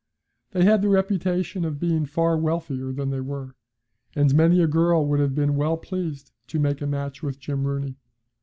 They had the reputation of being far wealthier than they were, and many a girl would have been well pleased to make a match with Jim Rooney.